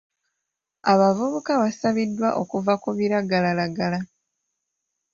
Abavubuka basabiddwa okuva ku biragalalagala.